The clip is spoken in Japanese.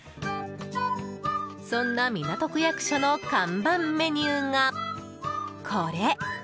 そんな港区役所の看板メニューがこれ。